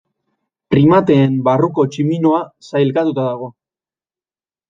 Primateen barruko tximinoa sailkatuta dago.